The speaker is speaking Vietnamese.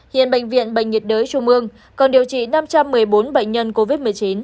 hiện bệnh viện bệnh nhiệt đới trung mương còn điều trị năm trăm một mươi bốn bệnh nhân covid một mươi chín